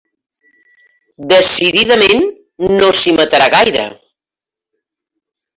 Decididament no s'hi matarà gaire.